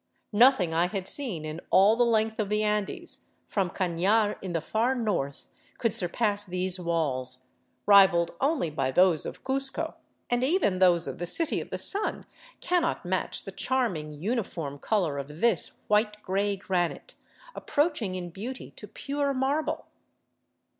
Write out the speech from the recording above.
Nothing I had seen in all the length of the Andes, from Canar in the far north, could surpass these walls, rivaled only by those of Cuzco ; and even those of the City of the Sun cannot match the charming uniform color of this white gray granite, approaching in beauty to pure marble.